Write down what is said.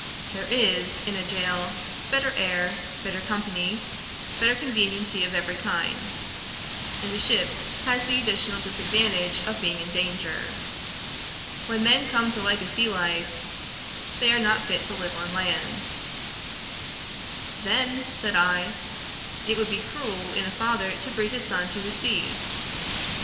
There is, in a gaol, better air, better company, better conveniency of every kind; and a ship has the additional disadvantage of being in danger. When men come to like a sea life, they are not fit to live on land.' 'Then (said I) it would be cruel in a father to breed his son to the sea.'